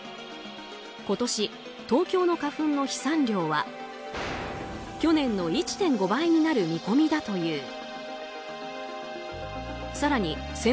今年、東京の花粉の飛散量は去年の１．５倍になる見込みだという。